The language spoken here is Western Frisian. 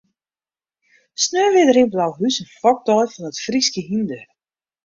Sneon wie der yn Blauhûs in fokdei fan it Fryske hynder.